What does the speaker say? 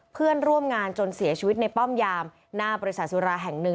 เพื่อนร่วมงานจนเสียชีวิตในป้อมยามหน้าบริษัทสุราแห่งหนึ่ง